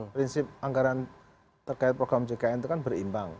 prinsip anggaran terkait program jkn itu kan berimbang